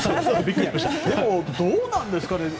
でも、どうなんですかね。